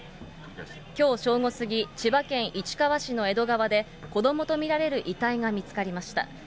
きょう正午過ぎ、千葉県市川市の江戸川で、子どもと見られる遺体が見つかりました。